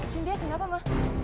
sintia kenapa ma